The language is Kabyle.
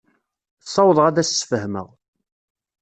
Ssawḍeɣ ad as-sfehmeɣ.